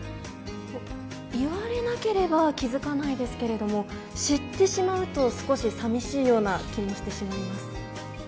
言われなければ気付かないですけれども、知ってしまうと、少しさみしいような気もしてしまいます。